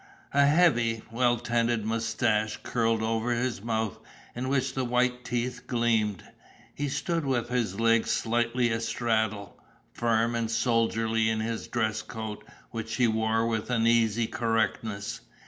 A heavy, well tended moustache curled over his mouth, in which the white teeth gleamed. He stood with his legs slightly astraddle, firm and soldierly in his dress coat, which he wore with an easy correctness.